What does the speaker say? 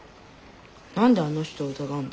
何であの人を疑うんだ？